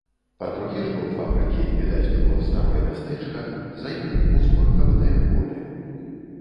Па другі ж бок фабрыкі відаць было старое мястэчка, за ім узгоркаватае поле.